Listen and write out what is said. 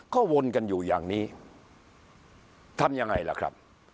ก็วนกันอยู่อย่างนี้ทำยังไงล่ะครับ